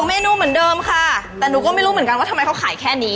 เมนูเหมือนเดิมค่ะแต่หนูก็ไม่รู้เหมือนกันว่าทำไมเขาขายแค่นี้